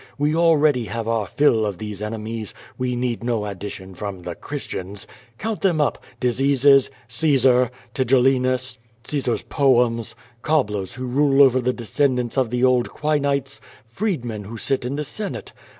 We already have our till of these enemit»s, we need no addition from the Chris tians. Count them uj): diseases, Caesar, Tigellinus, Caesar's poems, cobblers who rule over the descendants of the old Quinitfs, freedmcn who sit in the Senate.